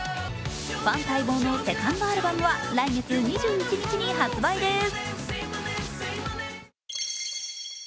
ファン待望のセカンドアルバムは来月２１日に発売です。